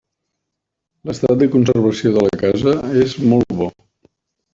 L'estat de conservació de la casa és molt bo.